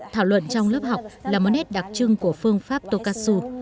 thảo luận trong lớp học là một nét đặc trưng của phương pháp tokatsu